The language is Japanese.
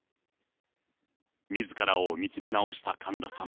みずからを見つめ直した神田さん。